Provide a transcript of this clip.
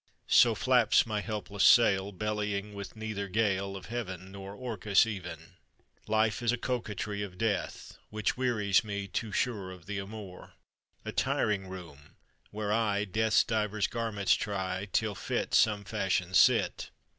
So flaps my helpless sail, Bellying with neither gale, Of Heaven Nor Orcus even. Life is a coquetry Of Death, which wearies me, Too sure Of the amour; A tiring room where I Death's divers garments try, Till fit Some fashion sit.